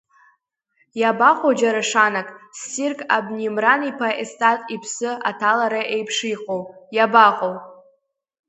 Иабаҟоу џьара шанак, ссирк абни Мран-иԥа Естат иԥсы аҭалара еиԥш иҟоу, иабаҟоу?